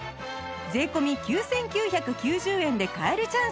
税込９９９０円で買えるチャンス